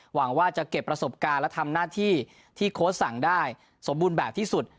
หวังว่าจะเก็บประสบการณ์และทำหน้าที่ที่โค้ชสั่งได้สมบูรณ์แบบที่สุด